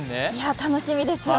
楽しみですよね。